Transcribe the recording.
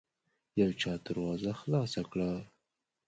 يو چا دروازه خلاصه کړه.